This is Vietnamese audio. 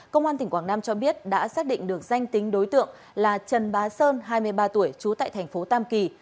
công an tỉnh quảng nam cho biết đã xác định được danh tính đối tượng là trần bá sơn hai mươi ba tuổi trú tại thành phố tam kỳ